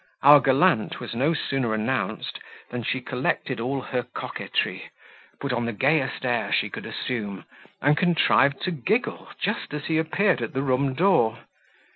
Our gallant was no sooner announced, than she collected all her coquetry, put on the gayest air she could assume, and contrived to giggle just as he appeared at the room door.